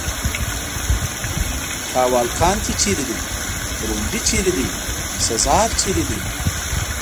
کاوالکانتي چېرې دی؟ برونډي چېرې دی؟ سزار چېرې دی؟